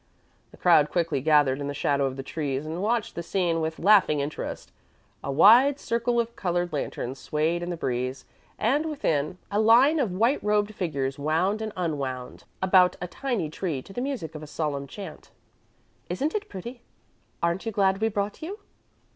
A crowd quickly gathered in the shadow of the trees and watched the scene with laughing interest. A wide circle of colored lanterns swayed in the breeze, and, within, a line of white robed figures wound and unwound about a tiny tree to the music of a solemn chant. "Isn't it pretty? Aren't you glad we brought you?"